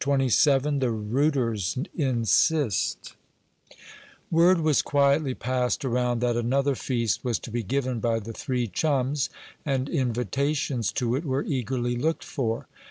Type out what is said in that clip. CHAPTER XXVII THE ROOTERS INSIST Word was quietly passed around that another feast was to be given by the three chums, and invitations to it were eagerly looked for.